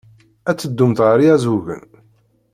Ad teddumt ar Iɛeẓẓugen?